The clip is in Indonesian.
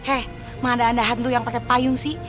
eh mana ada hantu yang pake payung sih